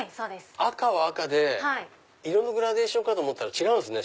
赤は赤で色のグラデーションかと思ったら違うんすね。